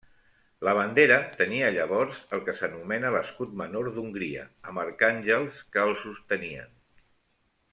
La bandera tenia llavors el que s'anomena l'escut menor d'Hongria, amb arcàngels que el sostenien.